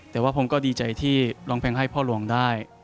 แต่ว่าผมก็ดีใจที่ร้องเพลงให้พ่อหลวงได้